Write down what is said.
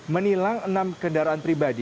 menilang enam kendaraan pribadi